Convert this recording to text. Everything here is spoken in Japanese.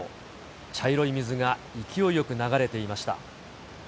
茶色い水が勢いよく流れていました。